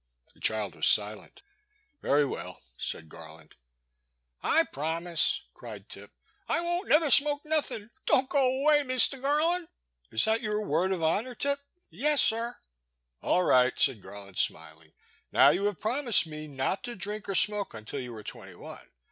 The child was silent. '* Very weU," said Garland. I promise!" cried Tip, — "I won't never smoke nothing, — don't go away, Mr. Garland !"Is that your word of honour, Tip ?'' Yes, sir." '* All right," said Garland, smiling, now you have promised me not to drink or smoke until you are twenty one.